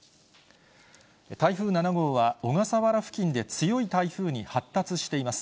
台風７号は小笠原付近で強い台風に発達しています。